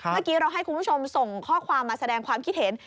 เมื่อกี้เราให้คุณผู้ชมส่งข้อความมาแสดงความคิดเห็น